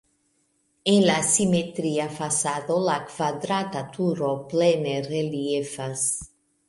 En la simetria fasado la kvadrata turo plene reliefas.